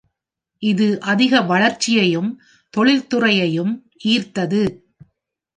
இது அதிக வளர்ச்சியையும், தொழில்துறையையும் ஈர்த்தது.